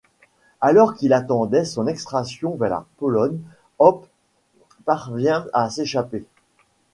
Alors qu'il attendait son extradition vers la Pologne, Hoppe parvient à s'échapper.